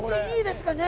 いいですか？